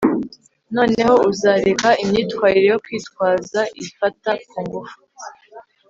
noneho uzareka imyitwarire yo kwitwaza ifata kungufu